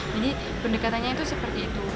jadi pendekatannya itu seperti itu